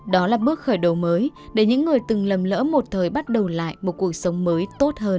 đó là bước khởi đầu mới để những người từng lầm lỡ một thời bắt đầu lại một cuộc sống mới tốt hơn